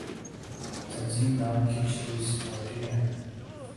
تنظیم نام کی چیز پارٹی میں ہے۔